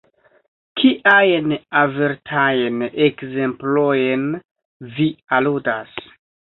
Kiajn avertajn ekzemplojn vi aludas?